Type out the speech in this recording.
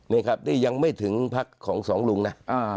นี่ครับนี่ยังไม่ถึงพักของสองลุงนะ